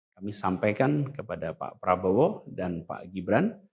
kami sampaikan kepada pak prabowo dan pak gibran